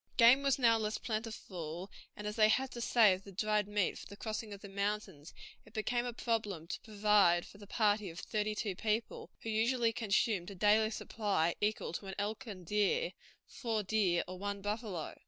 Game was now less plentiful, and as they had to save the dried meat for the crossing of the mountains, it became a problem to provide food for the party of thirty two people, who usually consumed a daily supply equal to an elk and deer, four deer or one buffalo.